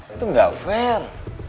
itu gak fair